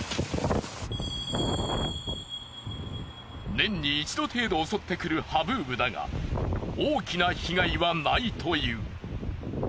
年に一度程度襲ってくるハブーブだが大きな被害はないという。